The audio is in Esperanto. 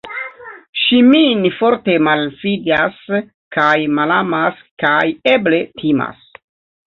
Ŝi min forte malfidas kaj malamas kaj, eble, timas.